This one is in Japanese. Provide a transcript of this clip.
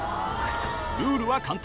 ルールは簡単。